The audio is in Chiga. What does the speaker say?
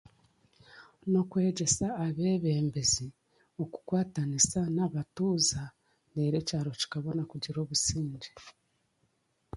Nokwegyesa abeebembezi okukwatanisa n'abatuuza reeru ekyaro kikabona kugira obusingye